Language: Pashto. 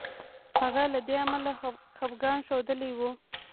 هغه له دې امله خپګان ښودلی وو.